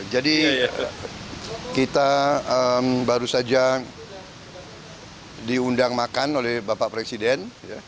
jadi kita baru saja diundang makan oleh bapak presiden